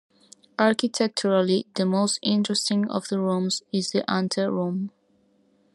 Architecturally, the most interesting of the rooms is the ante room.